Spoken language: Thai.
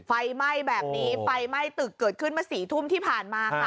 ไฟไหม้แบบนี้ไฟไหม้ตึกเกิดขึ้นมา๔ทุ่มที่ผ่านมาค่ะ